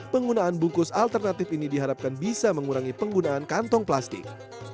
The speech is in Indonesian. penggunaan bungkus alternatif ini diharapkan bisa mengurangi penggunaan kantong plastik